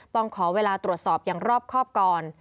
ต้องขอเวลาตรวจสอบอย่างรอบครอบก่อน